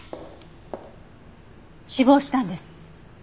死亡したんです。